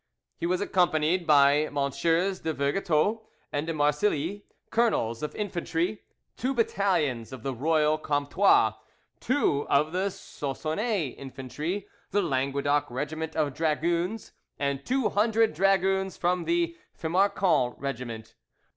He was accompanied by MM. de Vergetot and de Marsilly, colonels of infantry, two battalions of the Royal Comtois, two of the Soissonnais infantry, the Languedoc regiment of dragoons, and two hundred dragoons from the Fimarcon regiment.